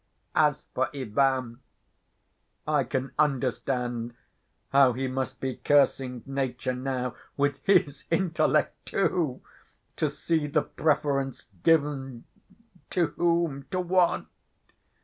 As for Ivan, I can understand how he must be cursing nature now—with his intellect, too! To see the preference given—to whom, to what?